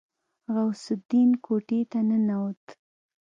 غوث الدين کوټې ته ننوت.